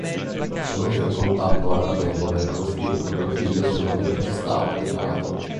Inizialmente il contatto era debole e lo spirito della figlia si manifestava di rado.